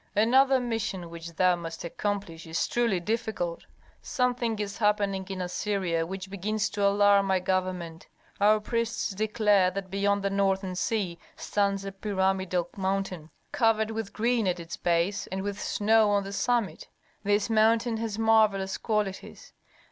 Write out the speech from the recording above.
"Another mission which thou must accomplish is truly difficult. Something is happening in Assyria which begins to alarm my government. Our priests declare that beyond the Northern sea stands a pyramidal mountain covered with green at its base and with snow on the summit. This mountain has marvellous qualities.